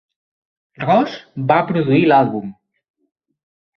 Ross va produir l'àlbum.